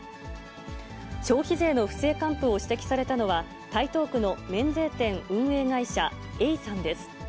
消費税の不正還付を指摘されたのは、台東区の免税店運営会社、永山です。